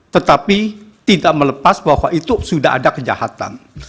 tetapi tidak melepas bahwa itu sudah ada kejahatan